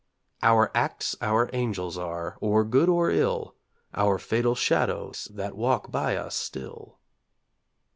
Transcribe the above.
'Our acts our angels are, or good or ill, Our fatal shadows that walk by us still.'